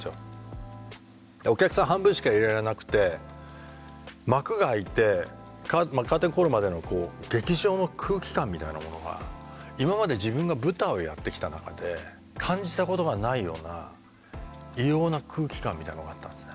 半分しか入れられなくて幕が開いてカーテンコールまでのこう劇場の空気感みたいなものが今まで自分が舞台をやってきた中で感じたことがないような異様な空気感みたいなのがあったんですね。